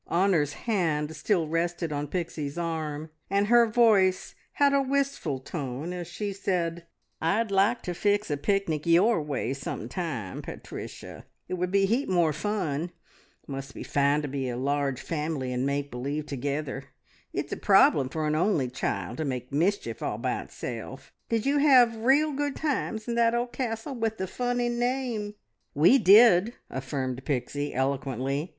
Honor's hand still rested on Pixie's arm, and her voice had a wistful tone as she said "I'd like to fix a picnic your way some time, Pat ricia! It would be a heap more fun. It must be fine to be a large family and make believe together. It's a problem for an only child to make mischief all by itself. ... Did you have real good times in that old castle with the funny name?" "We did!" affirmed Pixie eloquently.